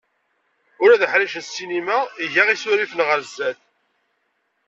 Ula d aḥric n ssinima iga isurifen ɣer sdat.